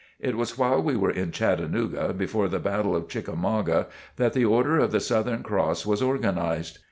It was while we were in Chattanooga, before the battle of Chickamauga, that the "Order of the Southern Cross" was organized.